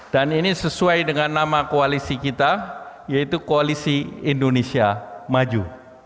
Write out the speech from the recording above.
dan ini sesuai dengan nama koalisi kita yaitu koalisi indonesia maju